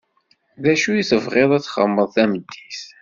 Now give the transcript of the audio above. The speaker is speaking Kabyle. D acu tebɣiḍ ad txedmeḍ tameddit?